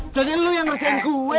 jadi lo yang ngerjain gue